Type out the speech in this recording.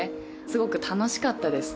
すごく楽しかったです